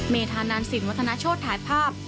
เมธานันสินวัฒนาโชธถ่ายภาพ